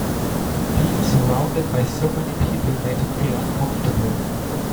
Being surounded by so many people made him feel uncomfortable.